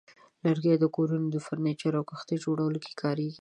لرګي د کورونو، فرنیچر، او کښتۍ جوړولو کې کارېږي.